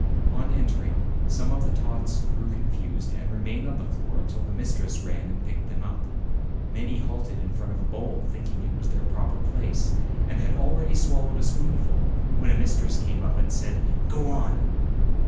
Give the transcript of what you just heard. On entering, some of the tots grew con fused and remained on the floor until the mistress ran and picked them up. Many halted in front of a bowl, thinking it was their proper place, and had already swallowed a spoonful, when a mistress came up and said, "Go on!"